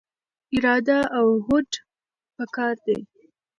اراده او هوډ پکار دی.